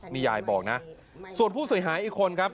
นี่ยายบอกนะส่วนผู้เสียหายอีกคนครับ